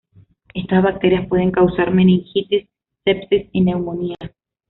Estas bacterias pueden causar meningitis, sepsis y neumonía.